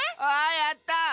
わやった！